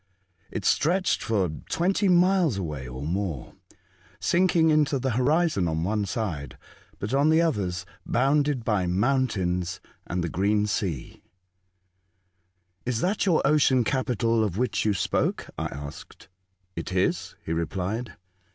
It stretched for twenty miles away, or more, sinking into the horizon on one side, but, on the others, bounded by mountains and the green sea. The Ocean CajntaL 127 " Is that your Ocean capital of which you spoke ?" I asked. " It is," he replied.